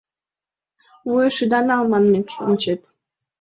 Вуеш ида нал манмет, мочет!